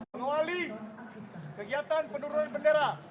mengawali kegiatan penduruan bendera